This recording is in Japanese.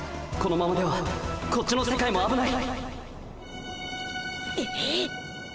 このままではこっちの世界もあぶない！